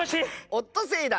オットセイだ。